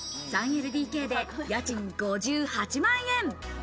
３ＬＤＫで家賃５８万円。